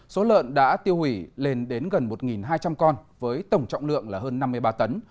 số lợn đã tiêu hủy lên đến gần một hai trăm linh con với tổng trọng lượng là hơn năm mươi ba tấn